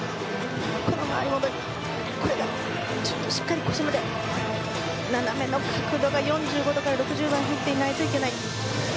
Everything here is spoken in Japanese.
これがしっかり腰まで斜めの角度が４５度から６０度に入っていないといけない。